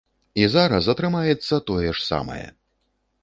І зараз атрымаецца тое ж самае.